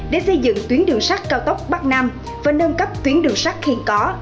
để xây dựng tuyến đường sắt cao tốc bắc nam và nâng cấp tuyến đường sắt hiện có